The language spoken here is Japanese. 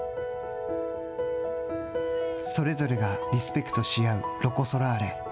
それぞれがリスペクトし合うロコ・ソラーレ。